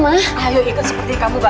ayo ikut seperti kamu bapak